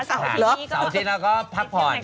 สอบทีนี้ก็พักผ่อน